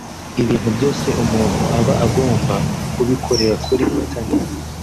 ibintu byose umuntu aba agomba kubikorera kuri internet